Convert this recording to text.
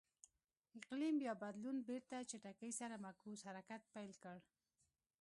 اقلیم بیا بدلون بېرته چټکۍ سره معکوس حرکت پیل کړ.